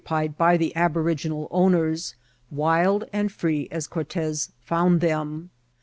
81 piod by the aboriginal owners, wild and free as Cortes found them.